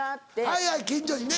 はいはい近所にね。